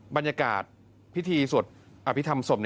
บรรยากาศพิธีสวดอภิษฐรรมศพ